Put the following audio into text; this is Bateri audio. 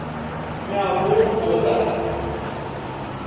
میاں بوٹ کوتہ